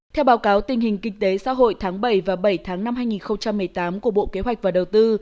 theo báo cáo tình hình kinh tế xã hội tháng bảy và bảy tháng năm hai nghìn một mươi tám của bộ kế hoạch và đầu tư